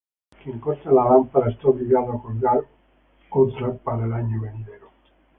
Quien corta la lámpara está obligado a colgar otra para el año venidero.